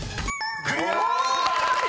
［クリア！］